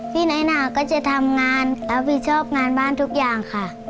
พี่นายน่าก็จะทำงานแล้วผิดชอบงานบ้านทุกอย่างค่ะ